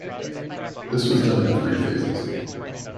This was done in three phases.